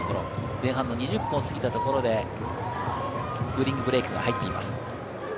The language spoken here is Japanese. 前半２０分過ぎたところでクーリングブレークが入っています。